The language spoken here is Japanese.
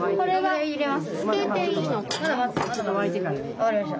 分かりました。